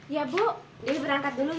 ya bu dili berangkat dulu ya